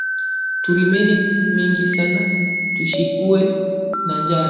Turimeni mingi sana tushikufwe na njala